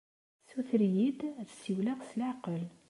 Yessuter-iyi-d ad ssiwleɣ s leɛqel.